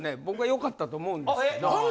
僕はよかったと思うんですけど。